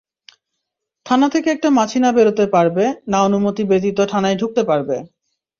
থানা থেকে একটা মাছি না বেরোতে পারবে, না অনুমতি ব্যাতিত থানায় ঢুকতে পারবে।